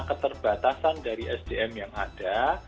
keterbatasan dari sdm yang ada